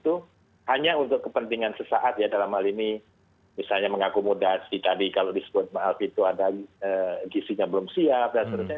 itu hanya untuk kepentingan sesaat ya dalam hal ini misalnya mengakomodasi tadi kalau disebut maaf itu ada gisinya belum siap dan sebagainya